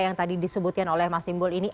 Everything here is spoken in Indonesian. yang tadi disebutkan oleh mas timbul ini